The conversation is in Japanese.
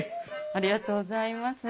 ありがとうございます。